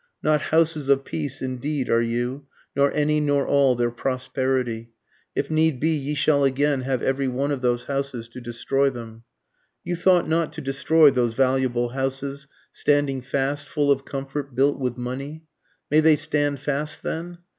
Not houses of peace indeed are you, nor any nor all their prosperity, (if need be, you shall again have every one of those houses to destroy them, You thought not to destroy those valuable houses, standing fast, full of comfort, built with money, May they stand fast, then?